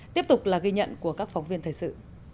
tiếp tục là ghi nhận của các phóng viên thời sự